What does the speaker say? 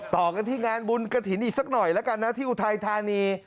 ต่อกันที่งานบุญกระถิ่นอีกสักหน่อยแล้วกันนะที่อุทัยธานี